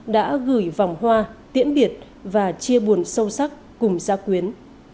đã gửi vòng hoa tiễn biệt và chia buồn sâu sắc cùng gia quyến